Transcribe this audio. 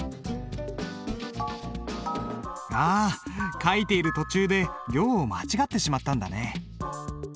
あ書いている途中で行を間違ってしまったんだね。